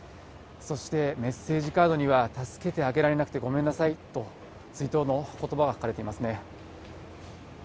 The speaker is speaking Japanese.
そしてメッセージカードには、助けてあげられなくてごめんなさいと、追悼のことばが書かれていますね。